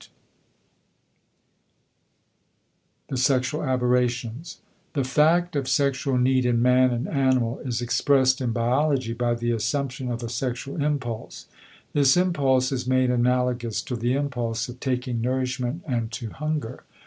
I THE SEXUAL ABERRATIONS The fact of sexual need in man and animal is expressed in biology by the assumption of a "sexual impulse." This impulse is made analogous to the impulse of taking nourishment, and to hunger.